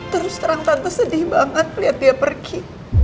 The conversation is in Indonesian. terus sekarang tante sedih banget liat dia pergi